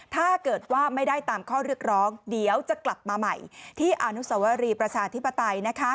ถ้าเกิดว่าไม่ได้ตามข้อเรียกร้องเดี๋ยวจะกลับมาใหม่ที่อนุสวรีประชาธิปไตย